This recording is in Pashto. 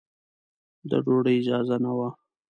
د ډوډۍ اجازه نه وه.